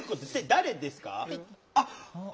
誰ですか？